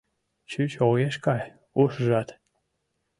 Чуч огеш кай ушыжат